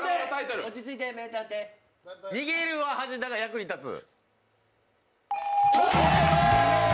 「逃げるは恥だが役に立つ」。